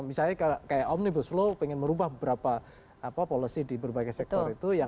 misalnya kayak omnibus law pengen merubah beberapa policy di berbagai sektor itu